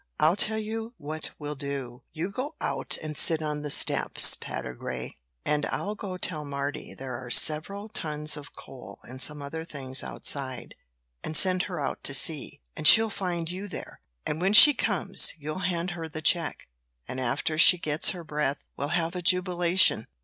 "I'll tell you what we'll do: You go out and sit on the steps, Patergrey, and I'll go tell Mardy there are several tons of coal and some other things outside, and send her out to see. And she'll find you there. And when she comes, you'll hand her the check, and after she gets her breath we'll have a jubilation.